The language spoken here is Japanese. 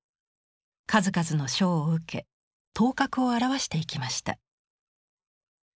数々の賞を受け頭角を現していきました。